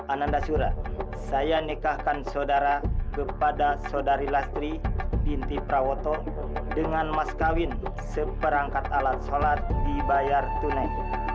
ananda surya saya nikahkan saudara kepada saudari lastri dinti prawoto dengan mas kawin seperangkat alat sholat dibayar tunai